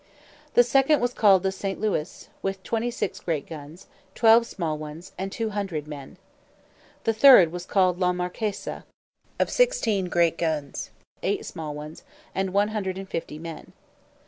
The second was called St. Lewis, with twenty six great guns, twelve small ones, and two hundred men. The third was called La Marquesa, of sixteen great guns, eight small ones, and one hundred and fifty men.